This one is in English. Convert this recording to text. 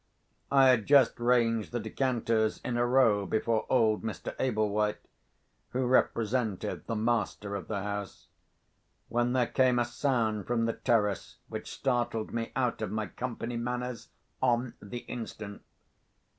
I had just ranged the decanters in a row before old Mr. Ablewhite (who represented the master of the house), when there came a sound from the terrace which, startled me out of my company manners on the instant.